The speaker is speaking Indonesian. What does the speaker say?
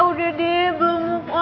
udah deh bengong